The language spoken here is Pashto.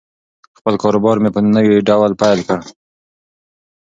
خپل کاروبار مې په نوي ډول پیل کړ.